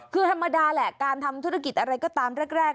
คือธรรมดาแหละการทำธุรกิจอะไรก็ตามแรก